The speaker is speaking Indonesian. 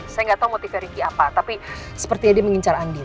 saya nggak tahu motifnya ricky apa tapi sepertinya dia mengincar andin